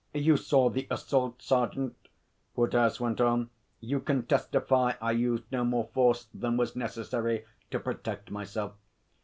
'You saw the assault, sergeant,' Woodhouse went on. 'You can testify I used no more force than was necessary to protect myself.